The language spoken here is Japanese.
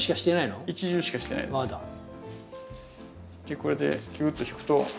でこれでギューッと引くと。